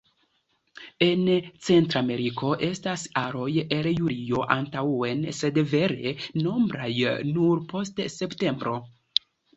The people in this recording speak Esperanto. En Centrameriko estas aroj el julio antaŭen, sed vere nombraj nur post septembro.